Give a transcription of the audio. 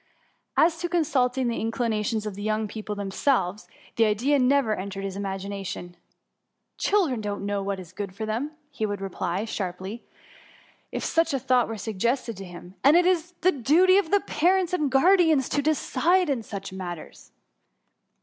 As to consulting the inclinations of the young people themselves, the idea never entered his imagination. ^' Children don*t know what is good for them, he would reply sharply, if such a thought were suggested to him, ^^ and it is the duty of parents and guar dians to decide in such matters."